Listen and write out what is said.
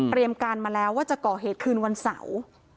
การมาแล้วว่าจะก่อเหตุคืนวันเสาร์